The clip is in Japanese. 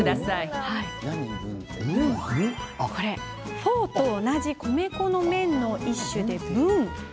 フォーと同じ米粉の麺の一種、ブン。